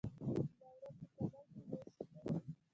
زما ورور په کابل کې ميشت ده.